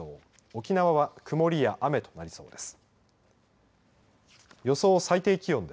沖縄は曇りや雨となりそうです。